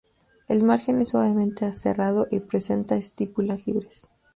El margen es suavemente aserrado y presenta estípulas libres.